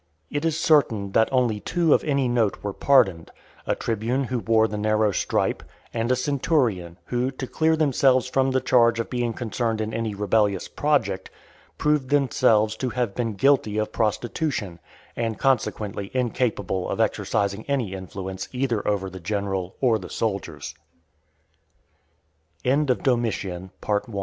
It is certain, that only two of any note were pardoned, a tribune who wore the narrow stripe, and a centurion; who, to clear themselves from the charge of being concerned in any rebellious project, proved themselves to have been guilty of prostitution, and consequently incapable of exercising any influence either over the gene